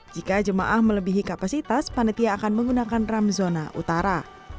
jika jemaah melebihi kapasitas panitia akan menggunakan ram zona utara